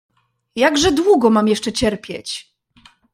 "Jakże długo mam jeszcze cierpieć?"